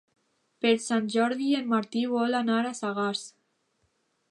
Per Sant Jordi en Martí vol anar a Sagàs.